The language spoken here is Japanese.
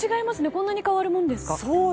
こんなに変わるものですか。